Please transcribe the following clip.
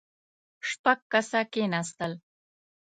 شپږ کسه کېناستل.